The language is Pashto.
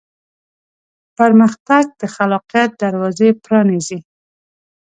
پرمختګ د خلاقیت دروازې پرانیزي.